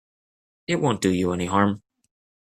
It won't do you any harm.